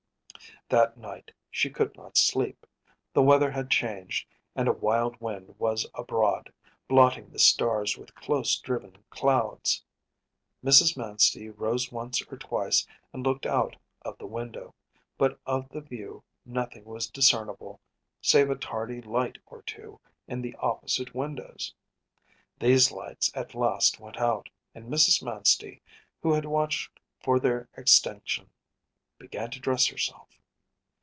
That night she could not sleep. The weather had changed and a wild wind was abroad, blotting the stars with close driven clouds. Mrs. Manstey rose once or twice and looked out of the window; but of the view nothing was discernible save a tardy light or two in the opposite windows. These lights at last went out, and Mrs. Manstey, who had watched for their extinction, began to dress herself.